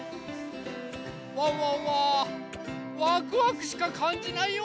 ワンワンはワクワクしかかんじないよ！